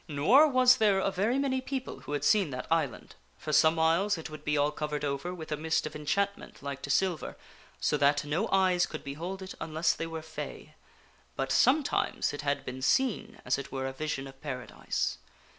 Nor was there a very many people who had seen that island, for some whiles it would be all covered over with a mist of enchantment like to silver, so that nd eyes could behold it unless they were fay. But some times it had been seen, as it were a vision of Paradise.